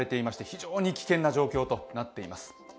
非常に危険な状況となっています。